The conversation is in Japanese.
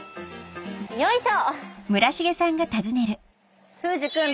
よいしょ！